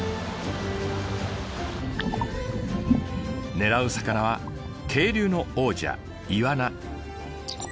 狙う魚は渓流の王者イワナ。